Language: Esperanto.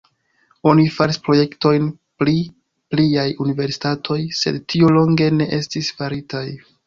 Oni faris projektojn pri pliaj universitatoj, sed tio longe ne estis faritaj.